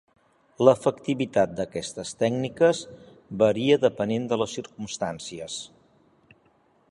L'efectivitat d'aquestes tècniques varia depenent de les circumstàncies.